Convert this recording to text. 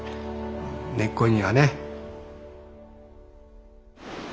根っこにはね。